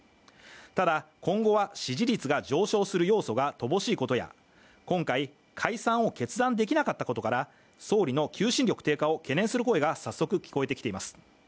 ただ今後は支持率が上昇する要素が乏しいことや今回、解散を決断できなかったことから総理の求心力低下を懸念する声が早速聞こえてきています。